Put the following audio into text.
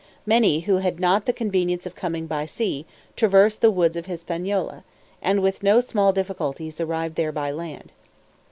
Many, who had not the convenience of coming by sea, traversed the woods of Hispaniola, and with no small difficulties arrived there by land.